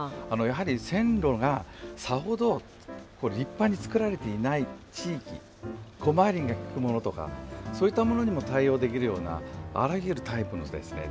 やはり線路がさほど立派に作られていない地域小回りが利くものとかそういったものにも対応できるようなあらゆるタイプのですね